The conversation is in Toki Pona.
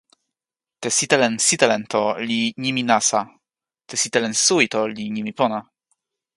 te "sitelen sitelen" to li nimi nasa. te "sitelen suwi" to li nimi pona.